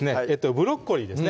ブロッコリーですね